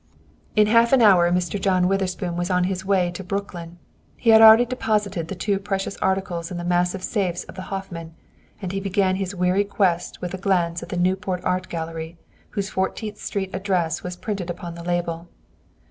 In half an hour Mr. John Witherspoon was on his way to Brooklyn. He had already deposited the two precious articles in the massive safes of the Hoffman, and he began his weary quest with a glance at the "Newport Art Gallery," whose Fourteenth Street address was printed upon the label.